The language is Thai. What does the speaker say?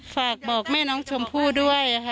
ฝากบอกแม่น้องชมพู่ด้วยค่ะ